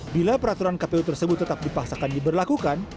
bila peraturan kpu tersebut tetap dipaksakan diberlakukan